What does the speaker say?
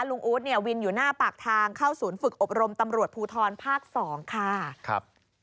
อู๊ดเนี่ยวินอยู่หน้าปากทางเข้าศูนย์ฝึกอบรมตำรวจภูทรภาค๒ค่ะครับ